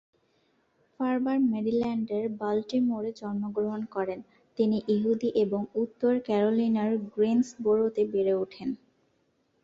ফারবার মেরিল্যান্ডের বাল্টিমোরে জন্মগ্রহণ করেন। তিনি ইহুদি এবং উত্তর ক্যারোলিনার গ্রিনসবোরোতে বেড়ে ওঠেন।